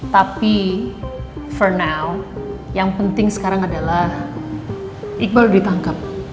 tapi untuk saat ini yang penting sekarang adalah iqbal ditangkap